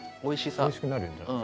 美味しくなるんじゃない？